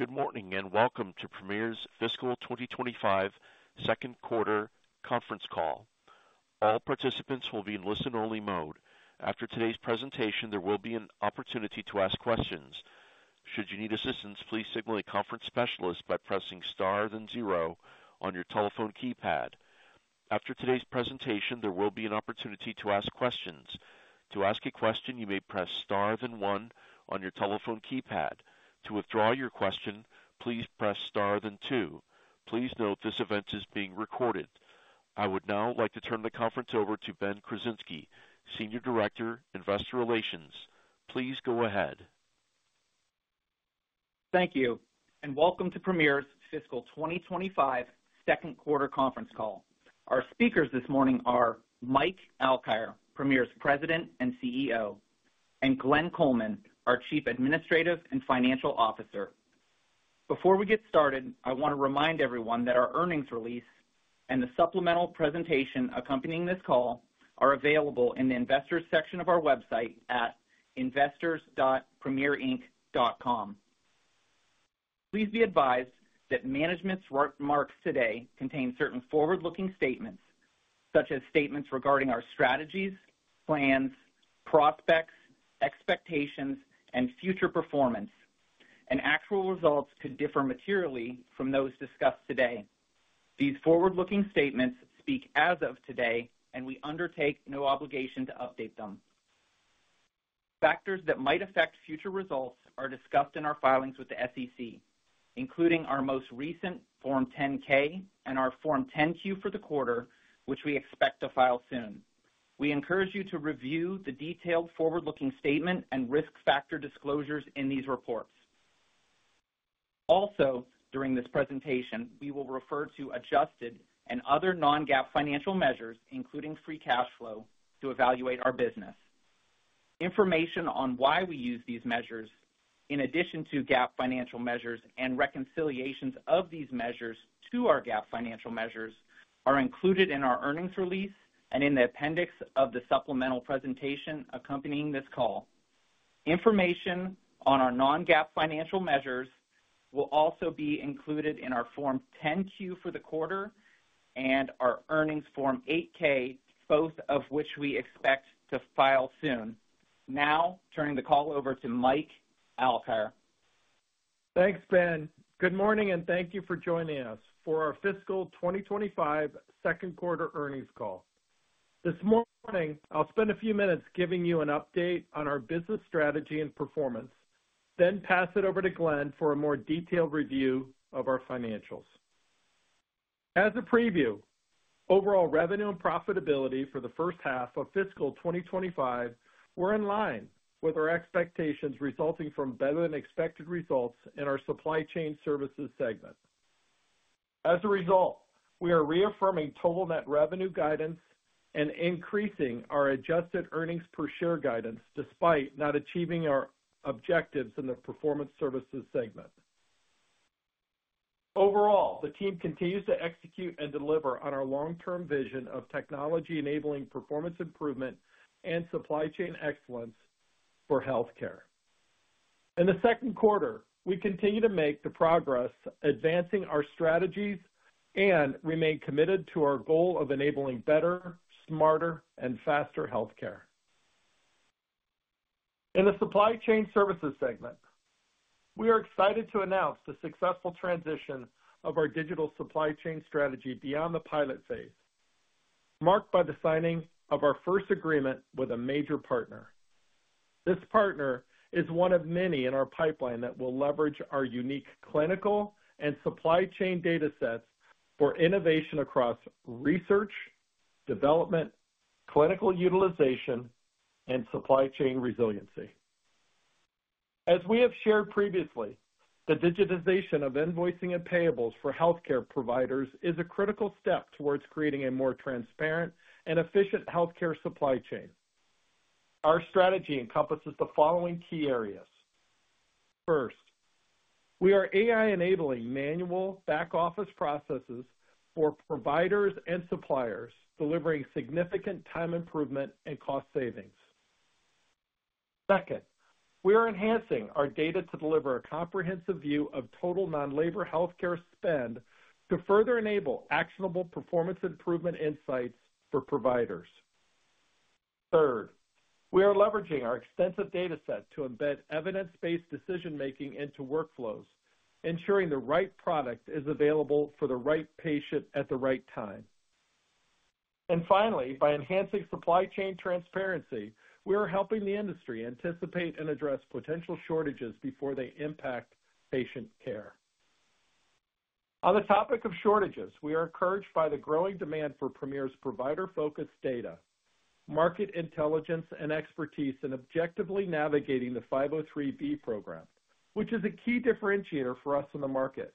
Good morning and welcome to Premier's Fiscal 2025 Second Quarter Conference Call. All participants will be in listen-only mode. After today's presentation, there will be an opportunity to ask questions. Should you need assistance, please signal a conference specialist by pressing star then zero on your telephone keypad. After today's presentation, there will be an opportunity to ask questions. To ask a question, you may press star then one on your telephone keypad. To withdraw your question, please press star then two. Please note this event is being recorded. I would now like to turn the conference over to Ben Krasinski, Senior Director, Investor Relations. Please go ahead. Thank you, and welcome to Premier's Fiscal 2025 Second Quarter Conference Call. Our speakers this morning are Mike Alkire, Premier's President and CEO, and Glenn Coleman, our Chief Administrative and Financial Officer. Before we get started, I want to remind everyone that our earnings release and the supplemental presentation accompanying this call are available in the investors' section of our website at investors.premierinc.com. Please be advised that management's remarks today contain certain forward-looking statements, such as statements regarding our strategies, plans, prospects, expectations, and future performance, and actual results could differ materially from those discussed today. These forward-looking statements speak as of today, and we undertake no obligation to update them. Factors that might affect future results are discussed in our filings with the SEC, including our most recent Form 10-K and our Form 10-Q for the quarter, which we expect to file soon. We encourage you to review the detailed forward-looking statement and risk factor disclosures in these reports. Also, during this presentation, we will refer to adjusted and other non-GAAP financial measures, including free cash flow, to evaluate our business. Information on why we use these measures, in addition to GAAP financial measures and reconciliations of these measures to our GAAP financial measures, are included in our earnings release and in the appendix of the supplemental presentation accompanying this call. Information on our non-GAAP financial measures will also be included in our Form 10-Q for the quarter and our earnings Form 8-K, both of which we expect to file soon. Now, turning the call over to Mike Alkire. Thanks, Ben. Good morning, and thank you for joining us for our Fiscal 2025 Second Quarter Earnings Call. This morning, I'll spend a few minutes giving you an update on our business strategy and performance, then pass it over to Glenn for a more detailed review of our financials. As a preview, overall revenue and profitability for the first half of Fiscal 2025 were in line with our expectations resulting from better-than-expected results in our Supply Chain Services segment. As a result, we are reaffirming total net revenue guidance and increasing our Adjusted Earnings Per Share guidance despite not achieving our objectives in the Performance Services segment. Overall, the team continues to execute and deliver on our long-term vision of technology-enabling performance improvement and supply chain excellence for healthcare. In the second quarter, we continue to make the progress, advancing our strategies and remain committed to our goal of enabling better, smarter, and faster healthcare. In the Supply Chain Services segment, we are excited to announce the successful transition of our digital supply chain strategy beyond the pilot phase, marked by the signing of our first agreement with a major partner. This partner is one of many in our pipeline that will leverage our unique clinical and supply chain data sets for innovation across research, development, clinical utilization, and supply chain resiliency. As we have shared previously, the digitization of invoicing and payables for healthcare providers is a critical step towards creating a more transparent and efficient healthcare supply chain. Our strategy encompasses the following key areas. First, we are AI-enabling manual back-office processes for providers and suppliers, delivering significant time improvement and cost savings. Second, we are enhancing our data to deliver a comprehensive view of total non-labor healthcare spend to further enable actionable performance improvement insights for providers. Third, we are leveraging our extensive data set to embed evidence-based decision-making into workflows, ensuring the right product is available for the right patient at the right time. And finally, by enhancing supply chain transparency, we are helping the industry anticipate and address potential shortages before they impact patient care. On the topic of shortages, we are encouraged by the growing demand for Premier's provider-focused data, market intelligence, and expertise in objectively navigating the 503B program, which is a key differentiator for us in the market.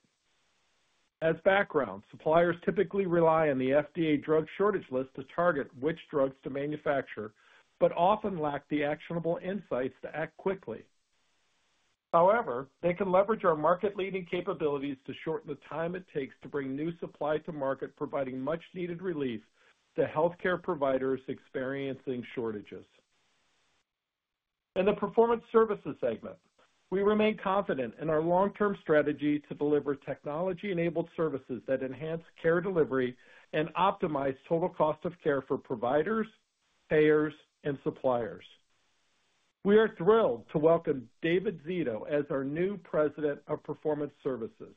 As background, suppliers typically rely on the FDA drug shortage list to target which drugs to manufacture, but often lack the actionable insights to act quickly. However, they can leverage our market-leading capabilities to shorten the time it takes to bring new supply to market, providing much-needed relief to healthcare providers experiencing shortages. In the Performance Services segment, we remain confident in our long-term strategy to deliver technology-enabled services that enhance care delivery and optimize total cost of care for providers, payers, and suppliers. We are thrilled to welcome David Zito as our new President of Performance Services.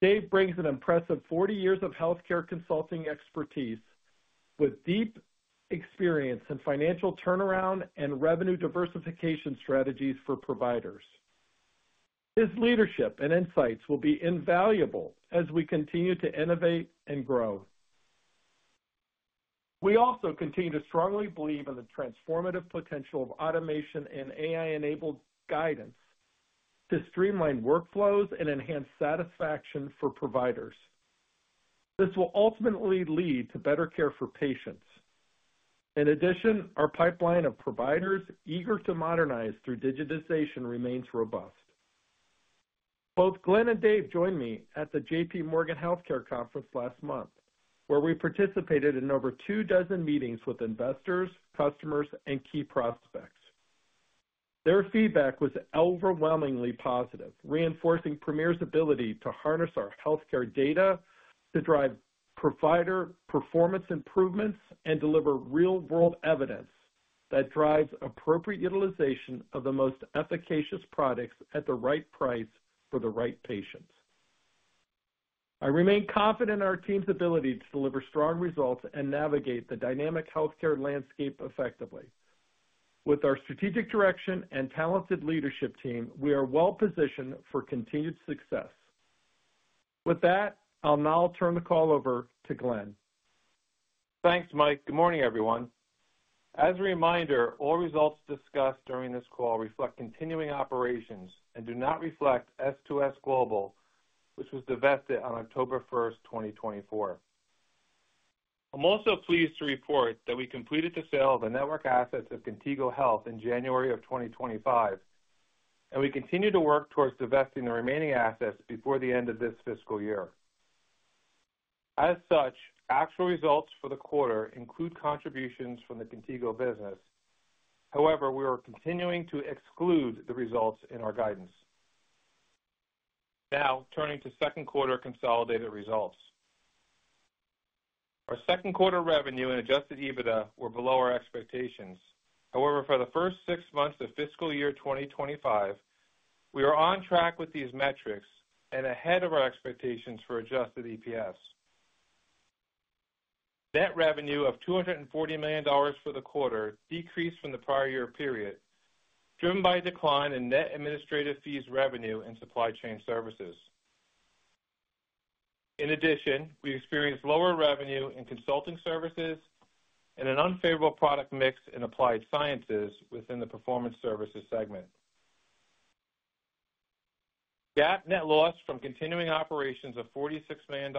Dave brings an impressive 40 years of healthcare consulting expertise with deep experience in financial turnaround and revenue diversification strategies for providers. His leadership and insights will be invaluable as we continue to innovate and grow. We also continue to strongly believe in the transformative potential of automation and AI-enabled guidance to streamline workflows and enhance satisfaction for providers. This will ultimately lead to better care for patients. In addition, our pipeline of providers eager to modernize through digitization remains robust. Both Glenn and Dave joined me at the J.P. Morgan Healthcare Conference last month, where we participated in over two dozen meetings with investors, customers, and key prospects. Their feedback was overwhelmingly positive, reinforcing Premier's ability to harness our healthcare data to drive provider performance improvements and deliver real-world evidence that drives appropriate utilization of the most efficacious products at the right price for the right patients. I remain confident in our team's ability to deliver strong results and navigate the dynamic healthcare landscape effectively. With our strategic direction and talented leadership team, we are well-positioned for continued success. With that, I'll now turn the call over to Glenn. Thanks, Mike. Good morning, everyone. As a reminder, all results discussed during this call reflect continuing operations and do not reflect S2S Global, which was divested on October 1st, 2024. I'm also pleased to report that we completed the sale of the network assets of Contigo Health in January of 2025, and we continue to work towards divesting the remaining assets before the end of this fiscal year. As such, actual results for the quarter include contributions from the Contigo business. However, we are continuing to exclude the results in our guidance. Now, turning to second quarter consolidated results. Our second quarter revenue and adjusted EBITDA were below our expectations. However, for the first six months of Fiscal Year 2025, we are on track with these metrics and ahead of our expectations for adjusted EPS. Net revenue of $240 million for the quarter decreased from the prior year period, driven by a decline in net administrative fees revenue and Supply Chain Services. In addition, we experienced lower revenue in Consulting Services and an unfavorable product mix in Applied Sciences within the Performance Services segment. GAAP net loss from continuing operations of $46 million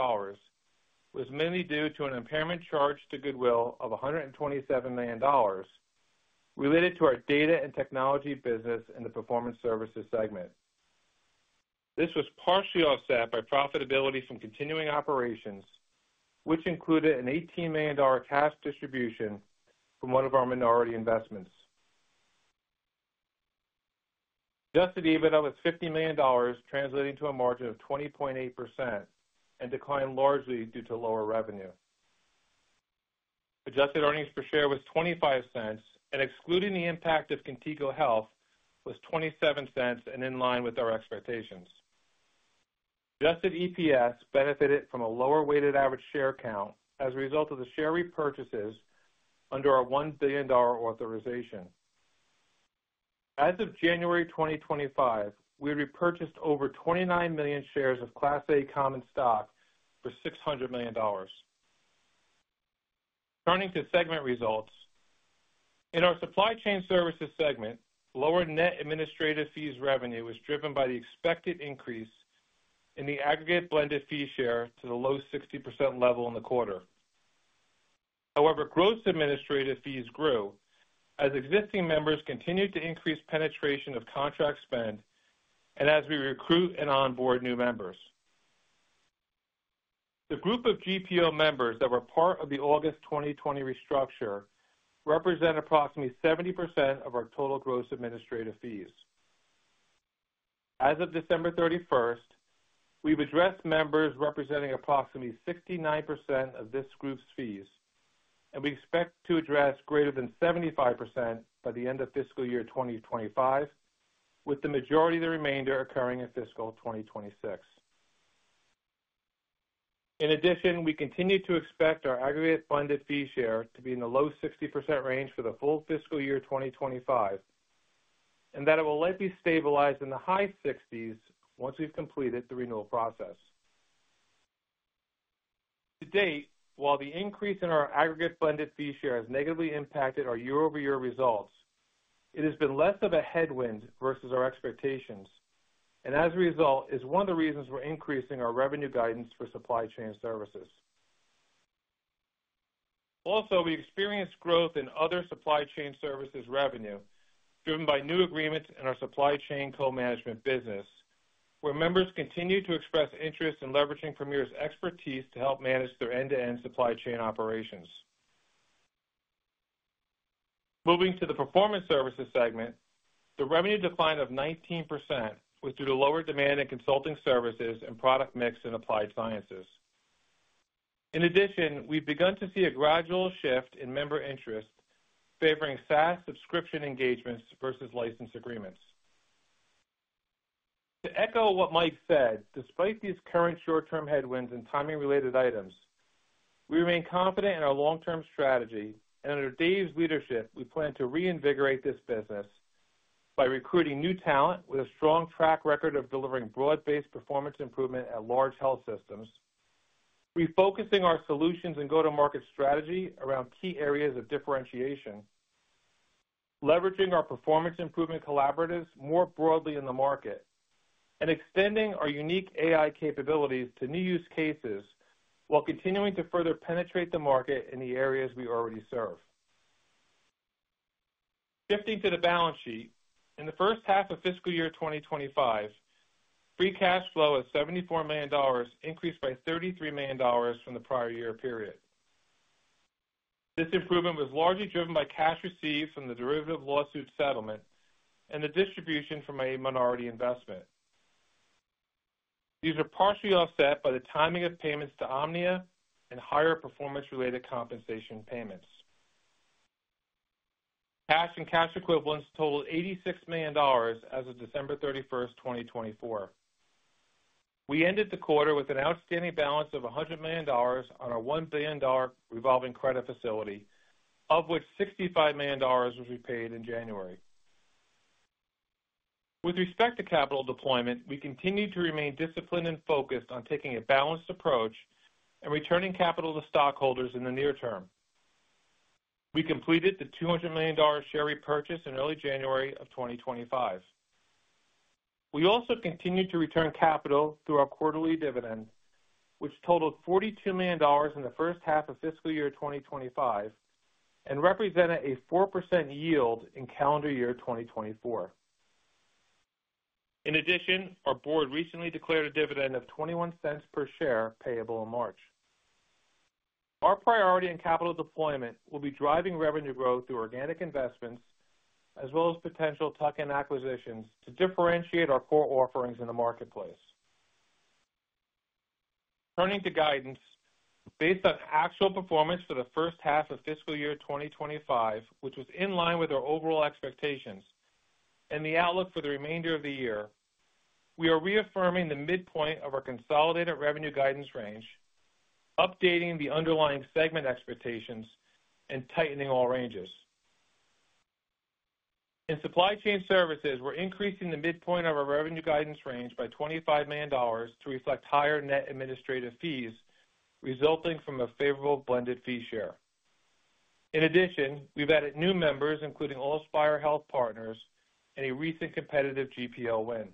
was mainly due to an impairment charge to goodwill of $127 million related to our data and technology business in the Performance Services segment. This was partially offset by profitability from continuing operations, which included an $18 million cash distribution from one of our minority investments. Adjusted EBITDA was $50 million, translating to a margin of 20.8%, and declined largely due to lower revenue. Adjusted Earnings Per Share was $0.25, and excluding the impact of Contigo Health, was $0.27 and in line with our expectations. Adjusted EPS benefited from a lower weighted average share count as a result of the share repurchases under our $1 billion authorization. As of January 2025, we repurchased over 29 million shares of Class A Common Stock for $600 million. Turning to segment results, in our Supply Chain Services segment, lower net administrative fees revenue was driven by the expected increase in the aggregate blended fee share to the low 60% level in the quarter. However, gross administrative fees grew as existing members continued to increase penetration of contract spend and as we recruit and onboard new members. The group of GPO members that were part of the August 2020 restructure represent approximately 70% of our total gross administrative fees. As of December 31st, we've addressed members representing approximately 69% of this group's fees, and we expect to address greater than 75% by the end of Fiscal Year 2025, with the majority of the remainder occurring in fiscal 2026. In addition, we continue to expect our aggregate blended fee share to be in the low 60% range for the full Fiscal Year 2025, and that it will likely stabilize in the high 60s once we've completed the renewal process. To date, while the increase in our aggregate blended fee share has negatively impacted our year-over-year results, it has been less of a headwind versus our expectations, and as a result, is one of the reasons we're increasing our revenue guidance for supply chain services. Also, we experienced growth in other Supply Chain Services revenue driven by new agreements in our supply chain co-management business, where members continue to express interest in leveraging Premier's expertise to help manage their end-to-end supply chain operations. Moving to the Performance Services segment, the revenue decline of 19% was due to lower demand in Consulting Services and product mix in Applied Sciences. In addition, we've begun to see a gradual shift in member interest favoring SaaS subscription engagements versus license agreements. To echo what Mike said, despite these current short-term headwinds and timing-related items, we remain confident in our long-term strategy, and under Dave's leadership, we plan to reinvigorate this business by recruiting new talent with a strong track record of delivering broad-based performance improvement at large health systems, refocusing our solutions and go-to-market strategy around key areas of differentiation, leveraging our performance improvement collaboratives more broadly in the market, and extending our unique AI capabilities to new use cases while continuing to further penetrate the market in the areas we already serve. Shifting to the balance sheet, in the first half of Fiscal 2025, Free Cash Flow of $74 million increased by $33 million from the prior year period. This improvement was largely driven by cash received from the derivative lawsuit settlement and the distribution from a minority investment. These are partially offset by the timing of payments to OMNIA and higher performance-related compensation payments. Cash and cash equivalents totaled $86 million as of December 31st, 2024. We ended the quarter with an outstanding balance of $100 million on our $1 billion revolving credit facility, of which $65 million was repaid in January. With respect to capital deployment, we continue to remain disciplined and focused on taking a balanced approach and returning capital to stockholders in the near term. We completed the $200 million share repurchase in early January of 2025. We also continued to return capital through our quarterly dividend, which totaled $42 million in the first half of Fiscal Year 2025 and represented a 4% yield in calendar year 2024. In addition, our board recently declared a dividend of $0.21 per share payable in March. Our priority in capital deployment will be driving revenue growth through organic investments as well as potential tuck-in acquisitions to differentiate our core offerings in the marketplace. Turning to guidance, based on actual performance for the first half of Fiscal 2025, which was in line with our overall expectations and the outlook for the remainder of the year, we are reaffirming the midpoint of our consolidated revenue guidance range, updating the underlying segment expectations, and tightening all ranges. In Supply Chain Services, we're increasing the midpoint of our revenue guidance range by $25 million to reflect higher Net Administrative Fees resulting from a favorable blended fee share. In addition, we've added new members, including Allspire Health Partners and a recent competitive GPO win.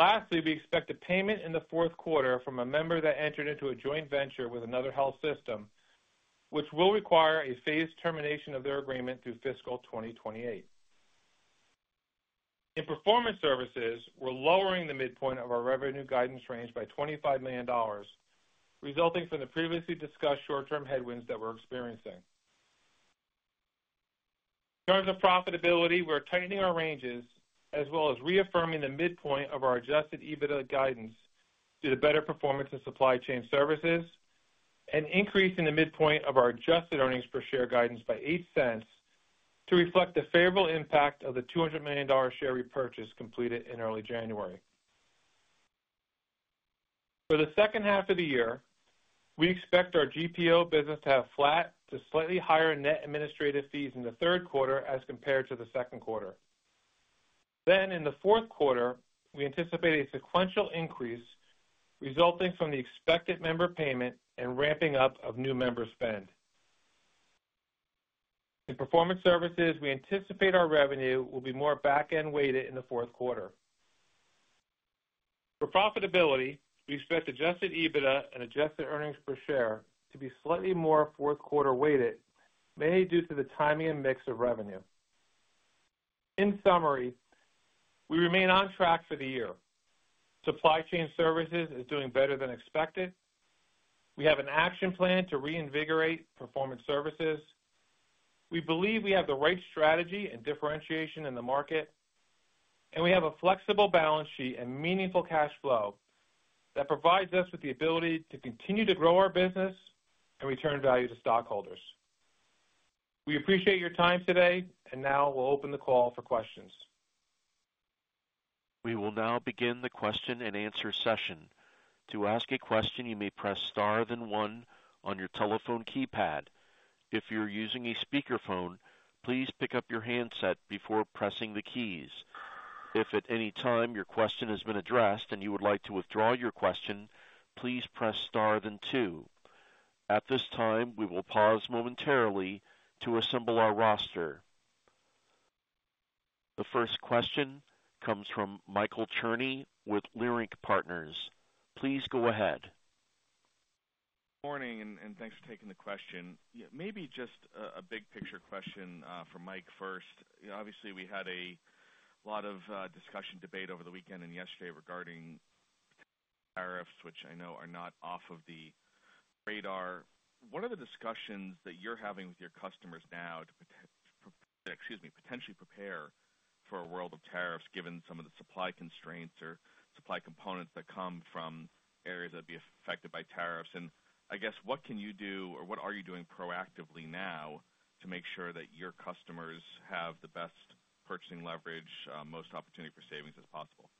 Lastly, we expect a payment in the fourth quarter from a member that entered into a joint venture with another health system, which will require a phased termination of their agreement through Fiscal 2028. In Performance Services, we're lowering the midpoint of our revenue guidance range by $25 million, resulting from the previously discussed short-term headwinds that we're experiencing. In terms of profitability, we're tightening our ranges as well as reaffirming the midpoint of our adjusted EBITDA guidance due to better performance in Supply Chain Services and increasing the midpoint of our adjusted earnings per share guidance by $0.08 to reflect the favorable impact of the $200 million share repurchase completed in early January. For the second half of the year, we expect our GPO business to have flat to slightly higher net administrative fees in the third quarter as compared to the second quarter. Then, in the fourth quarter, we anticipate a sequential increase resulting from the expected member payment and ramping up of new member spend. In Performance Services, we anticipate our revenue will be more back-end weighted in the fourth quarter. For profitability, we expect adjusted EBITDA and adjusted earnings per share to be slightly more fourth quarter weighted, mainly due to the timing and mix of revenue. In summary, we remain on track for the year. Supply Chain Services is doing better than expected. We have an action plan to reinvigorate Performance Services. We believe we have the right strategy and differentiation in the market, and we have a flexible balance sheet and meaningful cash flow that provides us with the ability to continue to grow our business and return value to stockholders. We appreciate your time today, and now we'll open the call for questions. We will now begin the question and answer session. To ask a question, you may press star then one on your telephone keypad. If you're using a speakerphone, please pick up your handset before pressing the keys. If at any time your question has been addressed and you would like to withdraw your question, please press star then two. At this time, we will pause momentarily to assemble our roster. The first question comes from Michael Cherny with Leerink Partners. Please go ahead. Good morning, and thanks for taking the question. Maybe just a big picture question for Mike first. Obviously, we had a lot of discussion debate over the weekend and yesterday regarding tariffs, which I know are not off of the radar. What are the discussions that you're having with your customers now to, excuse me, potentially prepare for a world of tariffs given some of the supply constraints or supply components that come from areas that would be affected by tariffs? And what can you do, or what are you doing proactively now to make sure that your customers have the best purchasing leverage, most opportunity for savings as possible?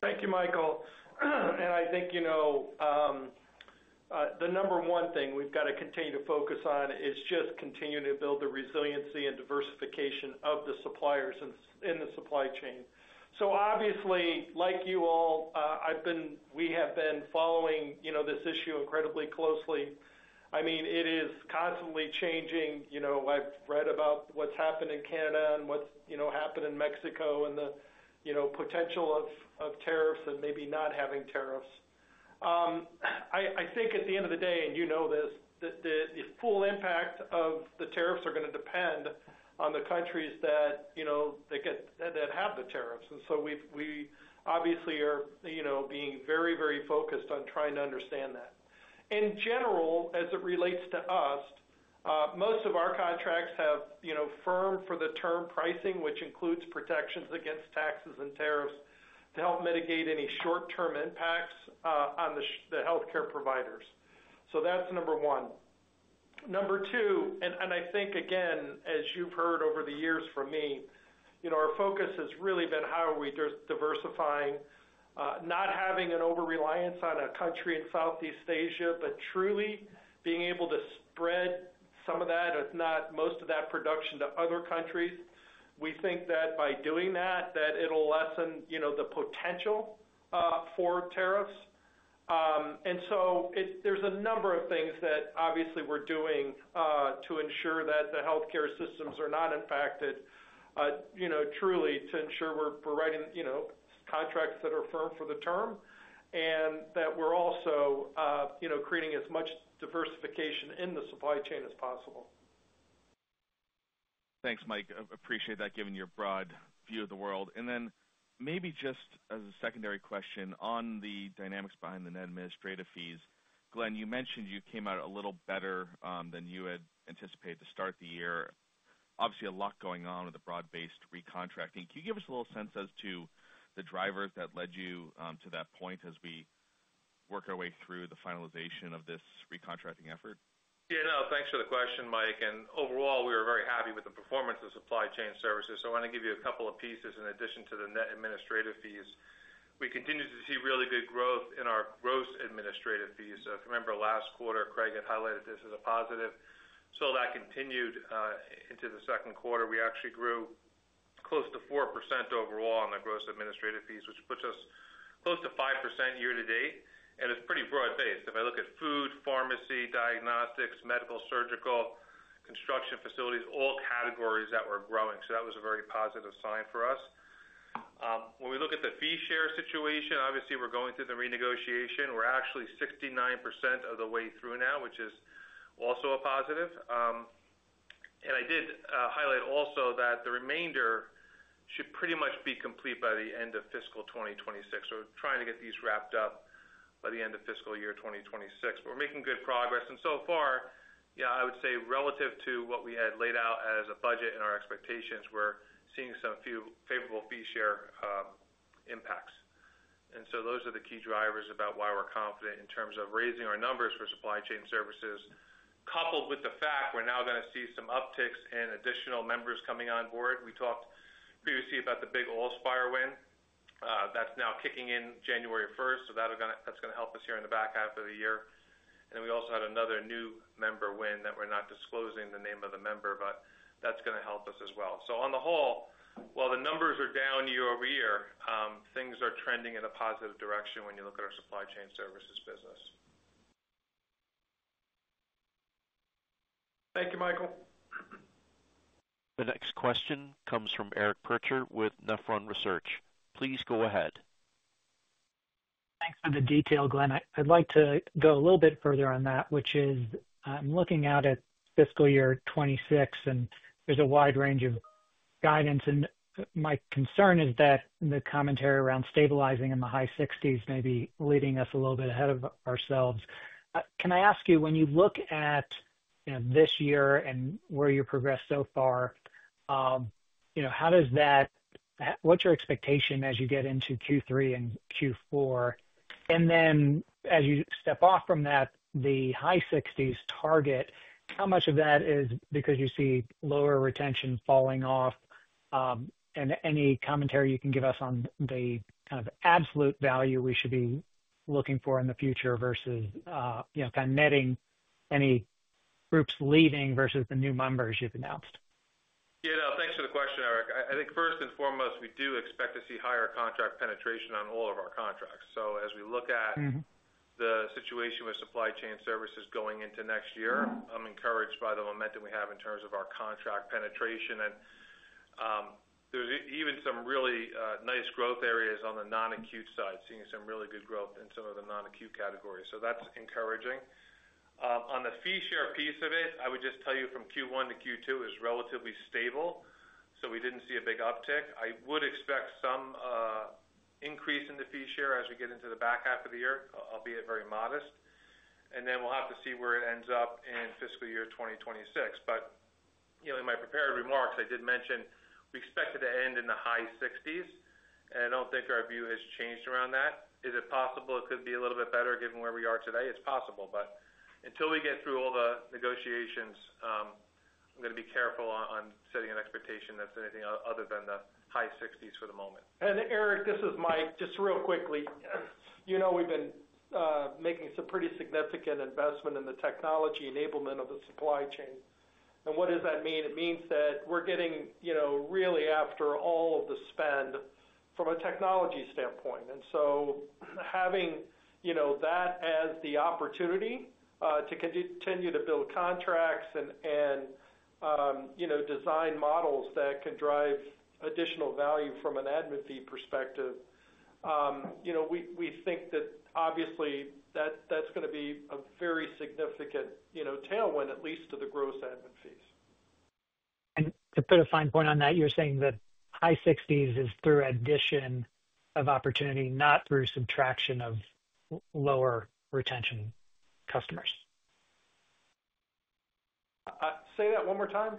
Thank you, Michael. And I think the number one thing we've got to continue to focus on is just continuing to build the resiliency and diversification of the suppliers in the supply chain. So obviously, like you all, we have been following this issue incredibly closely. I mean, it is constantly changing. I've read about what's happened in Canada and what's happened in Mexico and the potential of tariffs and maybe not having tariffs. I think at the end of the day, and you know this, the full impact of the tariffs are going to depend on the countries that have the tariffs. And so we obviously are being very, very focused on trying to understand that. In general, as it relates to us, most of our contracts have firm for the term pricing, which includes protections against taxes and tariffs to help mitigate any short-term impacts on the healthcare providers. So that's number one. Number two, and I think, again, as you've heard over the years from me, our focus has really been how are we diversifying, not having an over-reliance on a country in Southeast Asia, but truly being able to spread some of that, if not most of that, production to other countries. We think that by doing that, that it'll lessen the potential for tariffs. And so there's a number of things that obviously we're doing to ensure that the healthcare systems are not impacted, truly, to ensure we're writing contracts that are firm for the term and that we're also creating as much diversification in the supply chain as possible. Thanks, Mike. Appreciate that, given your broad view of the world. And then maybe just as a secondary question on the dynamics behind the net administrative fees, Glenn, you mentioned you came out a little better than you had anticipated to start the year. Obviously, a lot going on with the broad-based recontracting. Can you give us a little sense as to the drivers that led you to that point as we work our way through the finalization of this recontracting effort? Yeah, no, thanks for the question, Mike. And overall, we were very happy with the performance of Supply Chain Services. So I want to give you a couple of pieces in addition to the Net Administrative Fees. We continue to see really good growth in our Gross Administrative Fees. So if you remember last quarter, Craig had highlighted this as a positive. So that continued into the second quarter. We actually grew close to 4% overall on the Gross Administrative Fees, which puts us close to 5% year-to-date. And it's pretty broad-based. If I look at food, pharmacy, diagnostics, medical, surgical, construction facilities, all categories that were growing. So that was a very positive sign for us. When we look at the fee share situation, obviously, we're going through the renegotiation. We're actually 69% of the way through now, which is also a positive. I did highlight also that the remainder should pretty much be complete by the end of Fiscal 2026. We're trying to get these wrapped up by the end of Fiscal Year 2026. But we're making good progress. And so far, yeah, I would say relative to what we had laid out as a budget and our expectations, we're seeing some favorable fee share impacts. And so those are the key drivers about why we're confident in terms of raising our numbers for supply chain services, coupled with the fact we're now going to see some upticks in additional members coming on board. We talked previously about the big AllSpire win. That's now kicking in January 1st. So that's going to help us here in the back half of the year. And then we also had another new member win that we're not disclosing the name of the member, but that's going to help us as well. So on the whole, while the numbers are down year-over-year, things are trending in a positive direction when you look at our Supply Chain Services business. Thank you, Michael. The next question comes from Eric Percher with Nephron Research. Please go ahead. Thanks for the detail, Glenn. I'd like to go a little bit further on that, which is I'm looking out at Fiscal Year 2026, and there's a wide range of guidance, and my concern is that the commentary around stabilizing in the high 60s may be leading us a little bit ahead of ourselves. Can I ask you, when you look at this year and where you progressed so far, how does that, what's your expectation as you get into Q3 and Q4, and then as you step off from that, the high 60s target, how much of that is because you see lower retention falling off, and any commentary you can give us on the kind of absolute value we should be looking for in the future versus kind of netting any groups leaving versus the new members you've announced? Yeah, no, thanks for the question, Eric. I think first and foremost, we do expect to see higher contract penetration on all of our contracts. So as we look at the situation with Supply Chain Services going into next year, I'm encouraged by the momentum we have in terms of our contract penetration. And there's even some really nice growth areas on the non-acute side, seeing some really good growth in some of the non-acute categories. So that's encouraging. On the fee share piece of it, I would just tell you from Q1 to Q2 is relatively stable. So we didn't see a big uptick. I would expect some increase in the fee share as we get into the back half of the year, albeit very modest. And then we'll have to see where it ends up in Fiscal Year 2026. But in my prepared remarks, I did mention we expect it to end in the high 60s. And I don't think our view has changed around that. Is it possible it could be a little bit better given where we are today? It's possible. But until we get through all the negotiations, I'm going to be careful on setting an expectation that's anything other than the high 60s for the moment. And Eric, this is Mike. Just real quickly, you know we've been making some pretty significant investment in the technology enablement of the supply chain. And what does that mean? It means that we're getting really after all of the spend from a technology standpoint. And so having that as the opportunity to continue to build contracts and design models that can drive additional value from an admin fee perspective, we think that obviously that's going to be a very significant tailwind, at least to the gross admin fees. To put a fine point on that, you're saying the high 60s is through addition of opportunity, not through subtraction of lower retention customers. Say that one more time.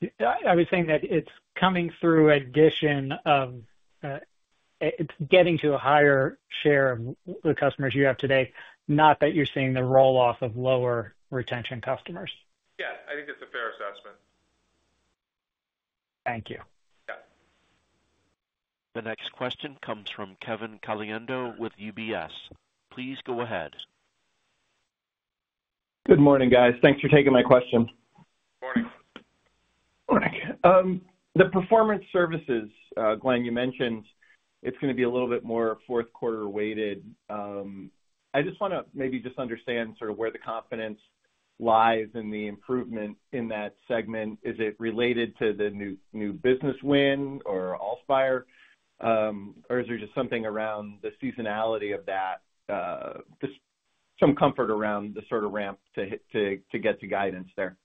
Yeah. I was saying that it's coming through addition of it's getting to a higher share of the customers you have today, not that you're seeing the roll-off of lower retention customers. Yes, I think it's a fair assessment. Thank you. Yeah. The next question comes from Kevin Caliendo with UBS. Please go ahead. Good morning, guys. Thanks for taking my question. Morning. Morning. The Performance Services, Glenn, you mentioned it's going to be a little bit more fourth quarter weighted. I just want to maybe just understand sort of where the confidence lies in the improvement in that segment. Is it related to the new business win or AllSpire, or is there just something around the seasonality of that, just some comfort around the sort of ramp to get to the guidance there?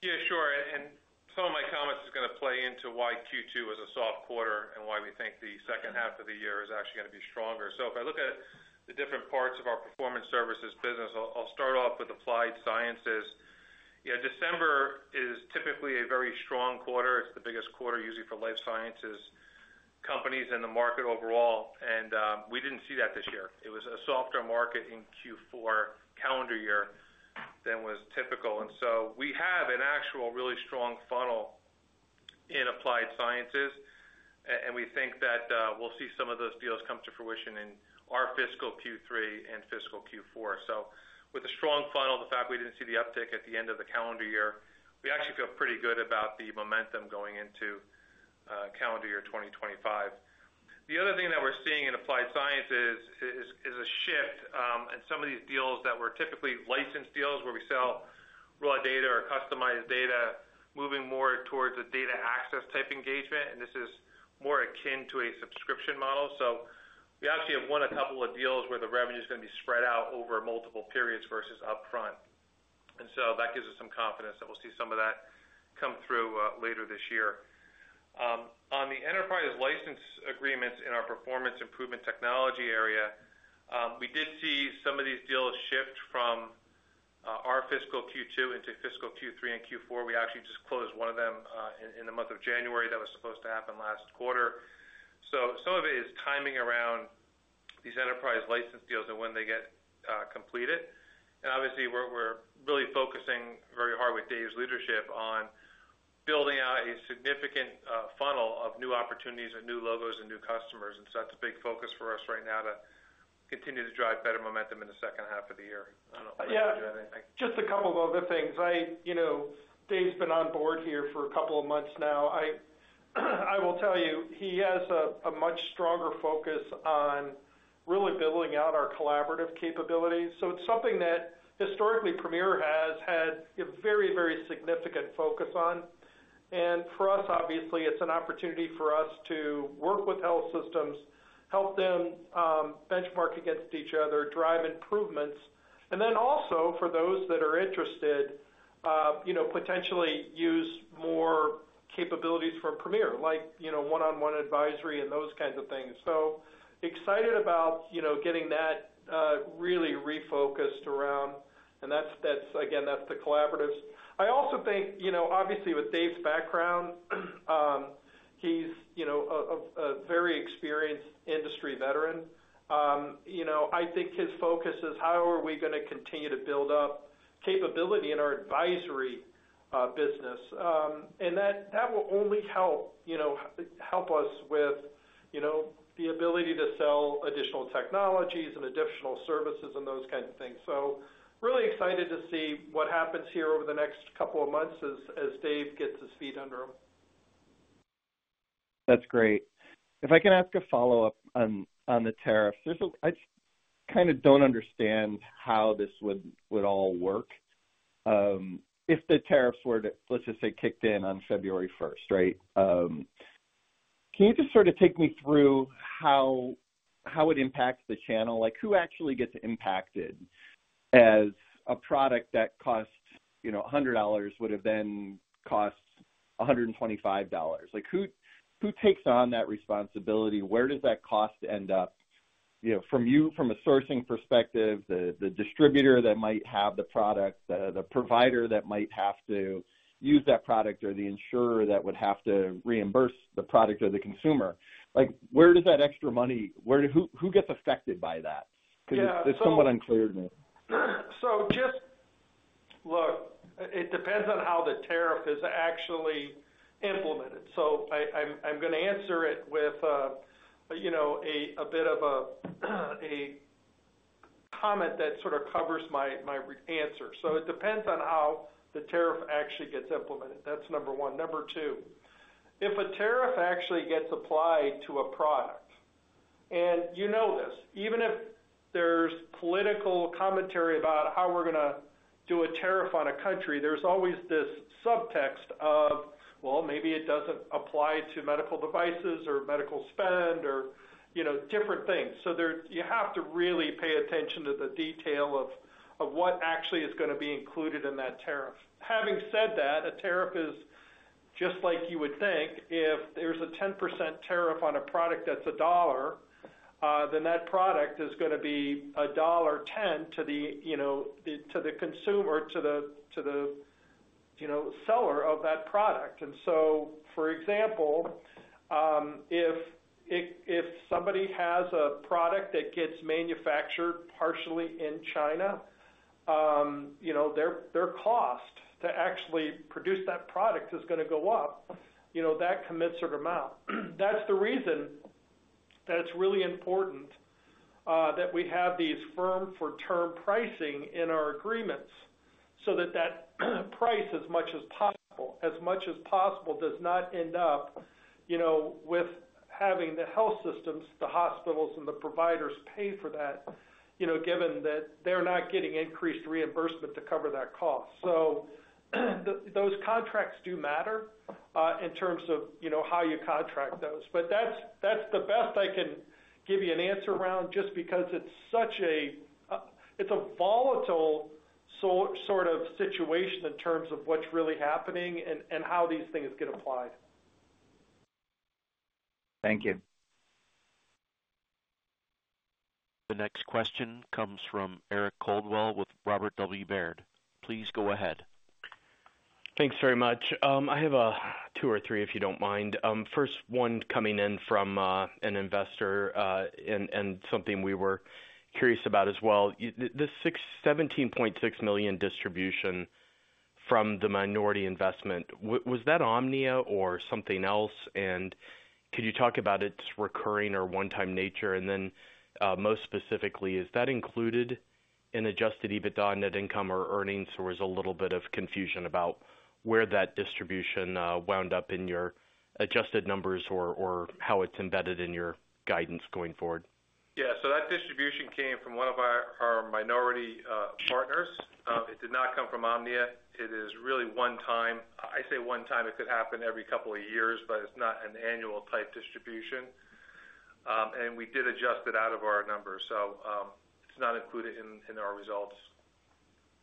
Yeah, sure. And some of my comments is going to play into why Q2 was a soft quarter and why we think the second half of the year is actually going to be stronger. So if I look at the different parts of our Performance Services business, I'll start off with Applied Sciences. December is typically a very strong quarter. It's the biggest quarter usually for life sciences companies in the market overall. And we didn't see that this year. It was a softer market in Q4 calendar year than was typical. And so we have an actual really strong funnel in Applied Sciences. And we think that we'll see some of those deals come to fruition in our Fiscal Q3 and Fiscal Q4. With a strong funnel, the fact we didn't see the uptick at the end of the calendar year, we actually feel pretty good about the momentum going into calendar year 2025. The other thing that we're seeing in Applied Sciences is a shift in some of these deals that were typically licensed deals where we sell raw data or customized data, moving more towards a data access type engagement. And this is more akin to a subscription model. So we actually have won a couple of deals where the revenue is going to be spread out over multiple periods versus upfront. And so that gives us some confidence that we'll see some of that come through later this year. On the enterprise license agreements in our performance improvement technology area, we did see some of these deals shift from our fiscal Q2 into fiscal Q3 and Q4. We actually just closed one of them in the month of January. That was supposed to happen last quarter. So some of it is timing around these enterprise license deals and when they get completed. And obviously, we're really focusing very hard with Dave's leadership on building out a significant funnel of new opportunities and new logos and new customers. And so that's a big focus for us right now to continue to drive better momentum in the second half of the year. I don't know if I can add anything. Yeah, just a couple of other things. Dave's been on board here for a couple of months now. I will tell you, he has a much stronger focus on really building out our collaborative capabilities. So it's something that historically Premier has had a very, very significant focus on. And for us, obviously, it's an opportunity for us to work with health systems, help them benchmark against each other, drive improvements, and then also for those that are interested, potentially use more capabilities from Premier like one-on-one advisory and those kinds of things. So excited about getting that really refocused around. And again, that's the collaboratives. I also think, obviously, with Dave's background, he's a very experienced industry veteran. I think his focus is how are we going to continue to build up capability in our advisory business. And that will only help us with the ability to sell additional technologies and additional services and those kinds of things. So really excited to see what happens here over the next couple of months as Dave gets his feet under them. That's great. If I can ask a follow-up on the tariffs, I kind of don't understand how this would all work. If the tariffs were, let's just say, kicked in on February 1st, right? Can you just sort of take me through how it impacts the channel? Who actually gets impacted as a product that costs $100 would have then cost $125? Who takes on that responsibility? Where does that cost end up from you, from a sourcing perspective, the distributor that might have the product, the provider that might have to use that product, or the insurer that would have to reimburse the product or the consumer? Where does that extra money, who gets affected by that? Because it's somewhat unclear to me. So just look, it depends on how the tariff is actually implemented. So I'm going to answer it with a bit of a comment that sort of covers my answer. So it depends on how the tariff actually gets implemented. That's number one. Number two, if a tariff actually gets applied to a product, and you know this, even if there's political commentary about how we're going to do a tariff on a country, there's always this subtext of, well, maybe it doesn't apply to medical devices or medical spend or different things. So you have to really pay attention to the detail of what actually is going to be included in that tariff. Having said that, a tariff is just like you would think. If there's a 10% tariff on a product that's $1, then that product is going to be $1.10 to the consumer, to the seller of that product. And so, for example, if somebody has a product that gets manufactured partially in China, their cost to actually produce that product is going to go up. That's the reason that it's really important that we have these firm-for-the-term pricing in our agreements so that that price, as much as possible, as much as possible, does not end up with having the health systems, the hospitals, and the providers pay for that, given that they're not getting increased reimbursement to cover that cost. So those contracts do matter in terms of how you contract those. But that's the best I can give you an answer around just because it's a volatile sort of situation in terms of what's really happening and how these things get applied. Thank you. The next question comes from Eric Coldwell with Robert W. Baird. Please go ahead. Thanks very much. I have two or three, if you don't mind. First, one coming in from an investor and something we were curious about as well. The $17.6 million distribution from the minority investment, was that OMNIA or something else? And could you talk about its recurring or one-time nature? And then most specifically, is that included in adjusted EBITDA net income or earnings? There was a little bit of confusion about where that distribution wound up in your adjusted numbers or how it's embedded in your guidance going forward. Yeah, so that distribution came from one of our minority partners. It did not come from OMNIA. It is really one-time. I say one-time. It could happen every couple of years, but it's not an annual-type distribution, and we did adjust it out of our numbers. So it's not included in our results.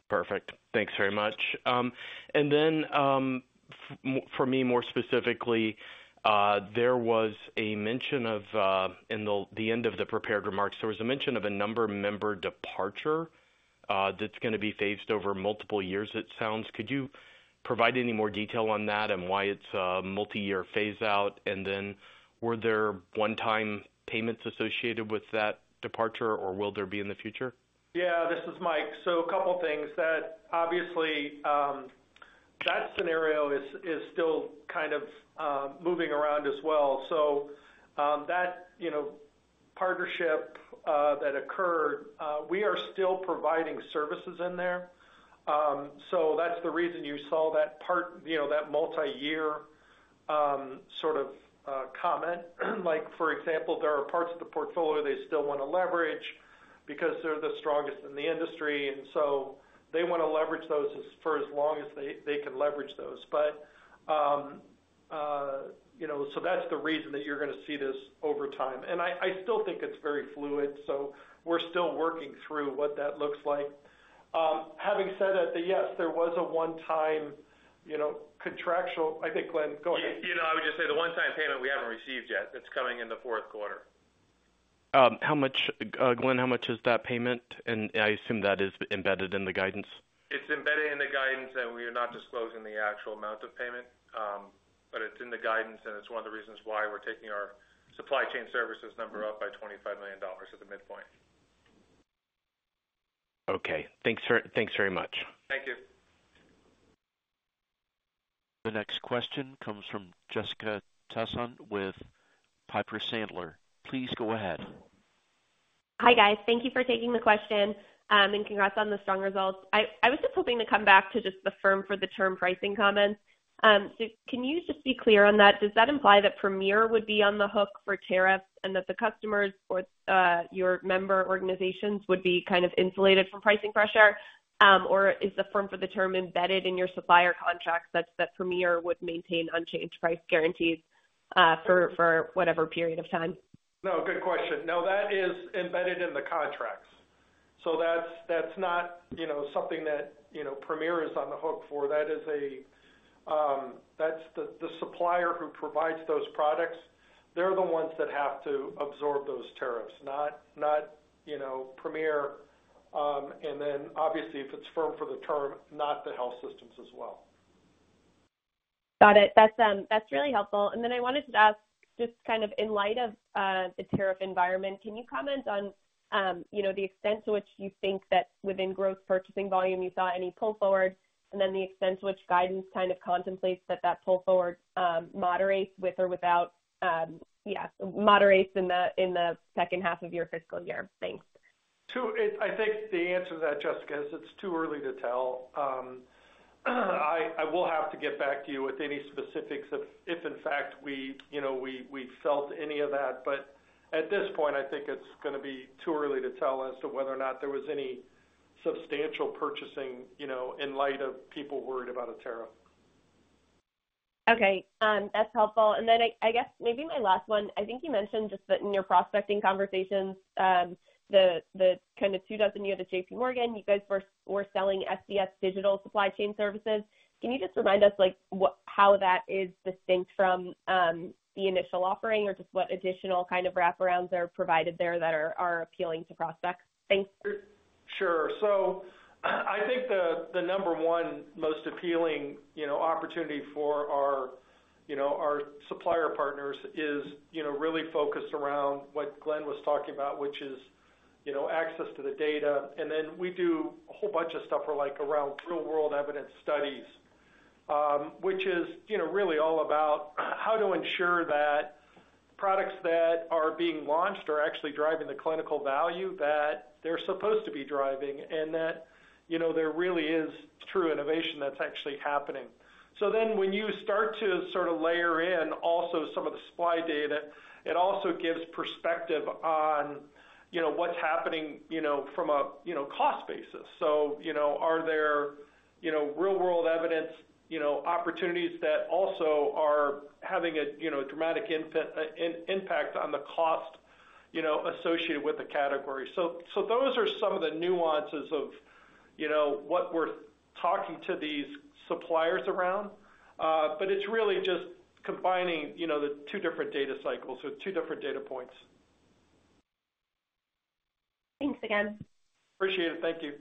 Perfect. Thanks very much. And then for me, more specifically, there was a mention of, in the end of the prepared remarks, there was a mention of a number of member departures that's going to be phased over multiple years, it sounds. Could you provide any more detail on that and why it's a multi-year phase-out? And then were there one-time payments associated with that departure, or will there be in the future? Yeah, this is Mike. So a couple of things. Obviously, that scenario is still kind of moving around as well. So that partnership that occurred, we are still providing services in there. So that's the reason you saw that multi-year sort of comment. For example, there are parts of the portfolio they still want to leverage because they're the strongest in the industry. And so they want to leverage those for as long as they can leverage those. But so that's the reason that you're going to see this over time. And I still think it's very fluid. So we're still working through what that looks like. Having said that, yes, there was a one-time contractual. I think, Glenn, go ahead. I would just say the one-time payment we haven't received yet. It's coming in the fourth quarter. Glenn, how much is that payment? And I assume that is embedded in the guidance. It's embedded in the guidance, and we are not disclosing the actual amount of payment. But it's in the guidance, and it's one of the reasons why we're taking our Supply Chain Services number up by $25 million at the midpoint. Okay. Thanks very much. Thank you. The next question comes from Jessica Tassan with Piper Sandler. Please go ahead. Hi, guys. Thank you for taking the question and congrats on the strong results. I was just hoping to come back to just the firm-for-the-term pricing comments. So can you just be clear on that? Does that imply that Premier would be on the hook for tariffs and that the customers or your member organizations would be kind of insulated from pricing pressure? Or is the firm-for-the-term embedded in your supplier contracts that Premier would maintain unchanged price guarantees for whatever period of time? No, good question. No, that is embedded in the contracts. So that's not something that Premier is on the hook for. That's the supplier who provides those products. They're the ones that have to absorb those tariffs, not Premier, and then, obviously, if it's firm-for-the-term, not the health systems as well. Got it. That's really helpful. And then I wanted to ask, just kind of in light of the tariff environment, can you comment on the extent to which you think that within gross purchasing volume, you saw any pull forward? And then the extent to which guidance kind of contemplates that that pull forward moderates with or without, yeah, moderates in the second half of your fiscal year. Thanks. I think the answer to that, Jessica, is it's too early to tell. I will have to get back to you with any specifics if, in fact, we felt any of that. But at this point, I think it's going to be too early to tell as to whether or not there was any substantial purchasing in light of people worried about a tariff. Okay. That's helpful. And then I guess maybe my last one. I think you mentioned just that in your prospecting conversations, the kind of two dozen years at J.P. Morgan, you guys were selling SDS digital supply chain services. Can you just remind us how that is distinct from the initial offering or just what additional kind of wraparounds are provided there that are appealing to prospects? Thanks. Sure. So I think the number one most appealing opportunity for our supplier partners is really focused around what Glenn was talking about, which is access to the data. And then we do a whole bunch of stuff around real-world evidence studies, which is really all about how to ensure that products that are being launched are actually driving the clinical value that they're supposed to be driving and that there really is true innovation that's actually happening. So then when you start to sort of layer in also some of the supply data, it also gives perspective on what's happening from a cost basis. So those are some of the nuances of what we're talking to these suppliers around. But it's really just combining the two different data cycles with two different data points. Thanks again. Appreciate it. Thank you.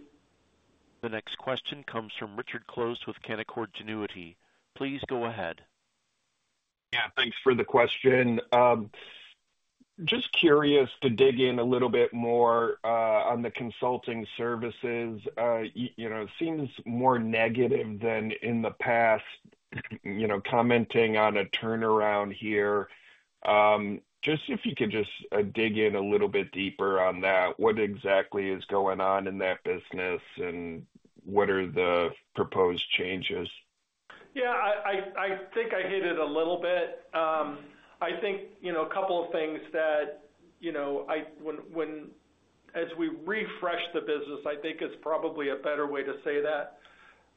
The next question comes from Richard Close with Canaccord Genuity. Please go ahead. Yeah. Thanks for the question. Just curious to dig in a little bit more on the consulting services. It seems more negative than in the past commenting on a turnaround here. Just if you could just dig in a little bit deeper on that, what exactly is going on in that business and what are the proposed changes? Yeah. I think I hit it a little bit. I think a couple of things that as we refresh the business, I think it's probably a better way to say that.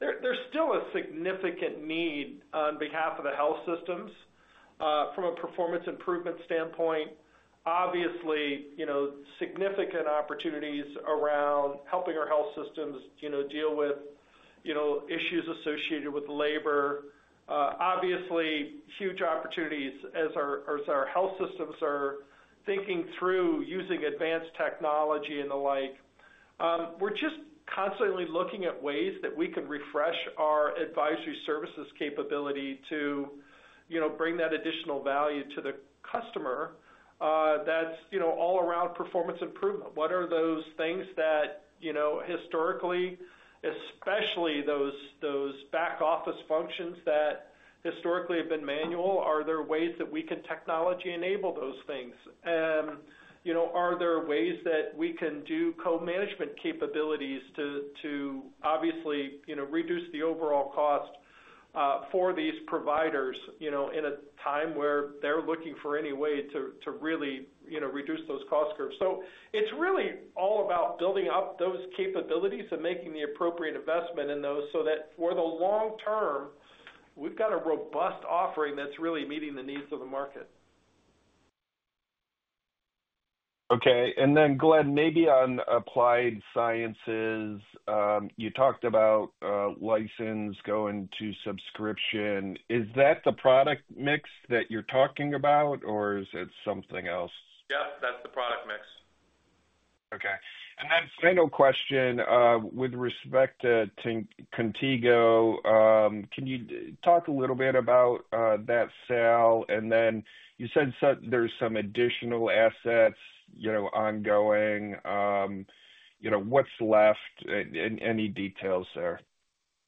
There's still a significant need on behalf of the health systems from a performance improvement standpoint. Obviously, significant opportunities around helping our health systems deal with issues associated with labor. Obviously, huge opportunities as our health systems are thinking through using advanced technology and the like. We're just constantly looking at ways that we can refresh our advisory services capability to bring that additional value to the customer that's all around performance improvement. What are those things that historically, especially those back-office functions that historically have been manual? Are there ways that we can technology-enable those things? And are there ways that we can do co-management capabilities to obviously reduce the overall cost for these providers in a time where they're looking for any way to really reduce those cost curves? So it's really all about building up those capabilities and making the appropriate investment in those so that for the long term, we've got a robust offering that's really meeting the needs of the market. Okay. And then, Glenn, maybe on Applied Sciences, you talked about license going to subscription. Is that the product mix that you're talking about, or is it something else? Yep. That's the product mix. Okay, and then final question with respect to Contigo, can you talk a little bit about that sale? And then you said there's some additional assets ongoing. What's left? Any details there?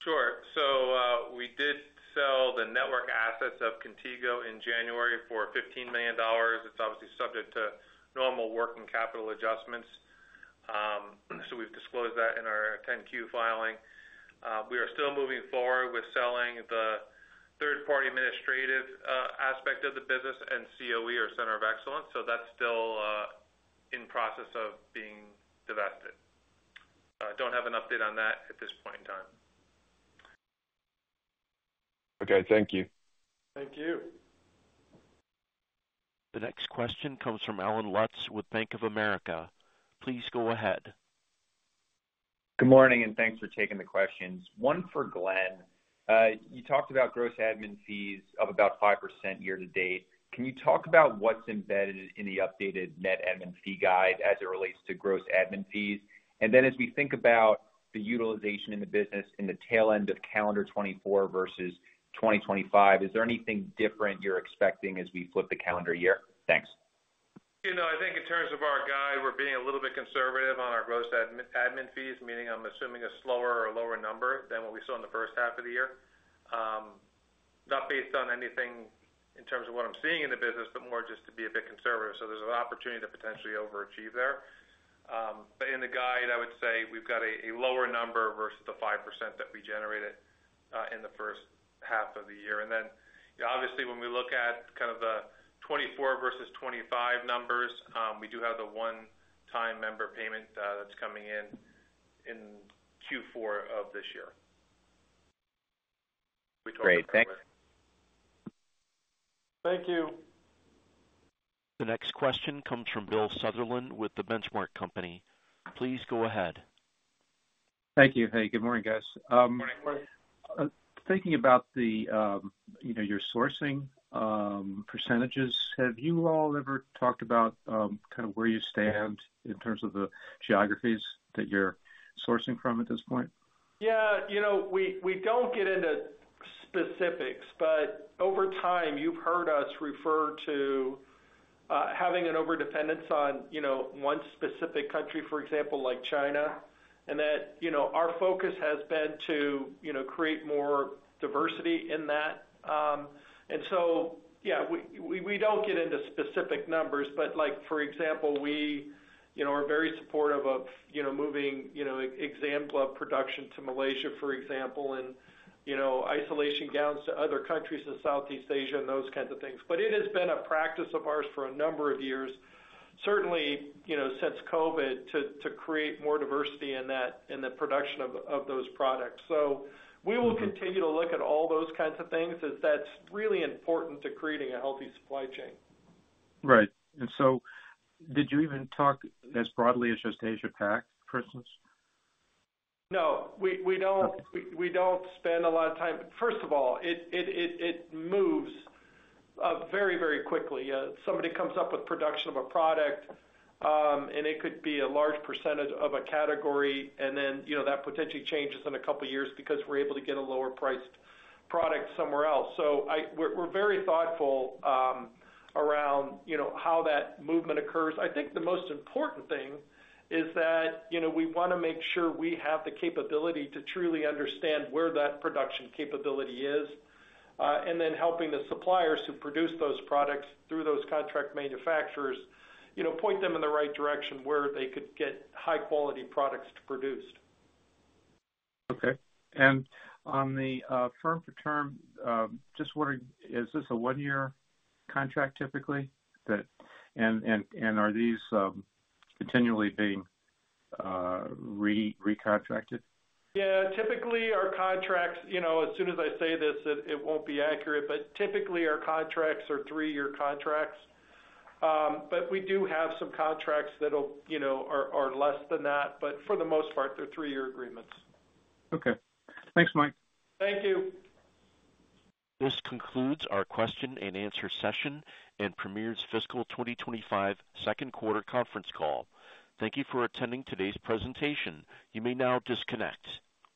Sure. So we did sell the network assets of Contigo in January for $15 million. It's obviously subject to normal working capital adjustments. So we've disclosed that in our 10-Q filing. We are still moving forward with selling the third-party administrative aspect of the business and COE or Center of Excellence. So that's still in process of being divested. I don't have an update on that at this point in time. Okay. Thank you. Thank you. The next question comes from Allen Lutz with Bank of America. Please go ahead. Good morning, and thanks for taking the questions. One for Glenn. You talked about gross admin fees of about 5% year-to-date. Can you talk about what's embedded in the updated net admin fee guide as it relates to gross admin fees? And then as we think about the utilization in the business in the tail end of calendar 2024 versus 2025, is there anything different you're expecting as we flip the calendar year? Thanks. I think in terms of our guide, we're being a little bit conservative on our gross admin fees, meaning I'm assuming a slower or lower number than what we saw in the first half of the year. Not based on anything in terms of what I'm seeing in the business, but more just to be a bit conservative. So there's an opportunity to potentially overachieve there. But in the guide, I would say we've got a lower number versus the 5% that we generated in the first half of the year. And then, obviously, when we look at kind of the 2024 versus 2025 numbers, we do have the one-time member payment that's coming in in Q4 of this year. We talked about that earlier. Great. Thanks. Thank you. The next question comes from Bill Sutherland with The Benchmark Company. Please go ahead. Thank you. Hey, good morning, guys. Thinking about your sourcing percentages, have you all ever talked about kind of where you stand in terms of the geographies that you're sourcing from at this point? Yeah. We don't get into specifics, but over time, you've heard us refer to having an overdependence on one specific country, for example, like China, and that our focus has been to create more diversity in that. And so, yeah, we don't get into specific numbers, but for example, we are very supportive of moving exam glove production to Malaysia, for example, and isolation gowns to other countries in Southeast Asia and those kinds of things. But it has been a practice of ours for a number of years, certainly since COVID, to create more diversity in the production of those products. So we will continue to look at all those kinds of things as that's really important to creating a healthy supply chain. Right. And so did you even talk as broadly as just Asia-Pac, for instance? No. We don't spend a lot of time. First of all, it moves very, very quickly. Somebody comes up with production of a product, and it could be a large percentage of a category, and then that potentially changes in a couple of years because we're able to get a lower-priced product somewhere else. So we're very thoughtful around how that movement occurs. I think the most important thing is that we want to make sure we have the capability to truly understand where that production capability is and then helping the suppliers who produce those products through those contract manufacturers point them in the right direction where they could get high-quality products produced. Okay. And on the firm-for-term, just wondering, is this a one-year contract typically? And are these continually being recontracted? Yeah. Typically, our contracts as soon as I say this, it won't be accurate, but typically, our contracts are three-year contracts. But we do have some contracts that are less than that. But for the most part, they're three-year agreements. Okay. Thanks, Mike. Thank you. This concludes our question-and-answer session and Premier's Fiscal 2025 Second Quarter Conference Call. Thank you for attending today's presentation. You may now disconnect.